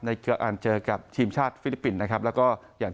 อันเจอกับทีมชาติฟิลิปปินส์นะครับแล้วก็อย่าง